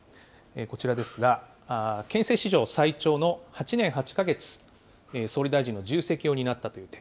こちらですが、憲政史上最長の８年８か月、総理大臣の重責を担ったという点。